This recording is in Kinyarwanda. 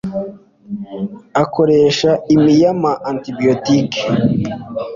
akoresha imi yama antibiotique